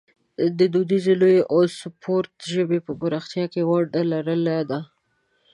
دودیزو لوبو او سپورټ د ژبې په پراختیا کې ونډه لرلې ده.